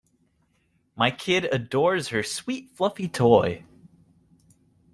My kid adores her sweet fluffy toy.